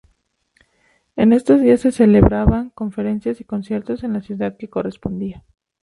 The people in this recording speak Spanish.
En estos días se celebraban conferencias y conciertos en la ciudad que correspondía.